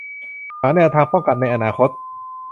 หาแนวทางป้องกันในอนาคต